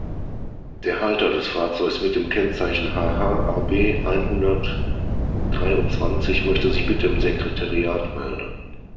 Der Halter des Fahrzeugs mit dem Kennzeichen HH-AB-einhundertdreiundzwanzig möchte sich bitte im Sekretariat melden.